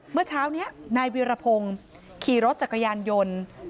เมื่อเช้านี้นายวิรพงศ์ขี่รถจักรยานยนต์